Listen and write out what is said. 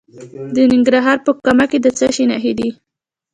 د ننګرهار په کامه کې د څه شي نښې دي؟